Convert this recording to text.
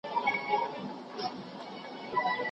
ايا انلاين زده کړه د ډیجیټل مهارتونو وده کوي؟